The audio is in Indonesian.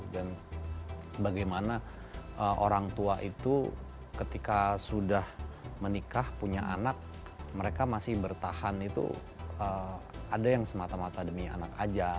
dan bagaimana orang tua itu ketika sudah menikah punya anak mereka masih bertahan itu ada yang semata mata demi anak aja